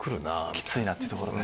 キツいなっていうところで。